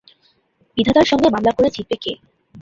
বিধাতার সঙ্গে মামলা করে জিতবে কে?